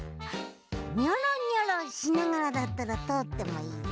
ニョロニョロしながらだったらとおってもいいぞ。